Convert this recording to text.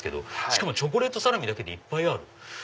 しかもチョコレートサラミだけでいっぱいある。